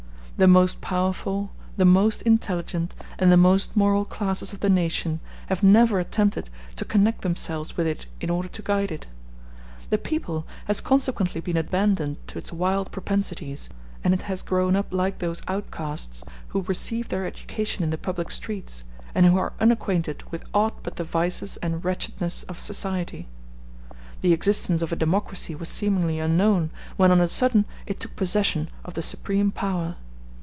The most powerful, the most intelligent, and the most moral classes of the nation have never attempted to connect themselves with it in order to guide it. The people has consequently been abandoned to its wild propensities, and it has grown up like those outcasts who receive their education in the public streets, and who are unacquainted with aught but the vices and wretchedness of society. The existence of a democracy was seemingly unknown, when on a sudden it took possession of the supreme power.